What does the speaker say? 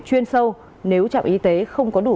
chuyên sâu nếu trạm y tế không có đủ